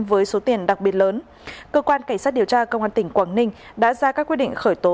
với số tiền đặc biệt lớn cơ quan cảnh sát điều tra công an tỉnh quảng ninh đã ra các quyết định khởi tố